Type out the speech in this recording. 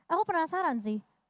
aku penasaran sih